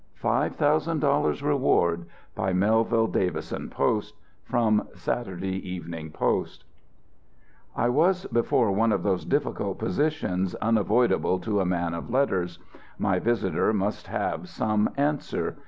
FIVE THOUSAND DOLLARS REWARD By MELVILLE DAVISSON POST From Saturday Evening Post I was before one of those difficult positions unavoidable to a man of letters. My visitor must have some answer.